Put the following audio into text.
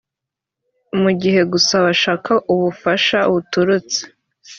mu gihe gusa bashaka ubufasha buturutse